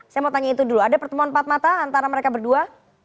saya mau tanya itu dulu ada pertemuan empat mata antara mereka berdua